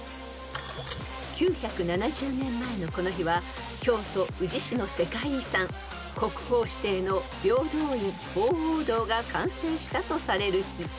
［９７０年前のこの日は京都宇治市の世界遺産国宝指定の平等院鳳凰堂が完成したとされる日］